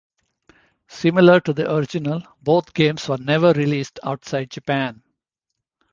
Similar to the original, both games were never released outside Japan.